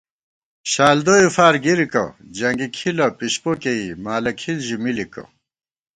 شالدوئے فارگِرِکہ جنگی کھِلہ پِشپو کېئی مالہ کھِل ژِی مِلِکہ